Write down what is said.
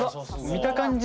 見た感じ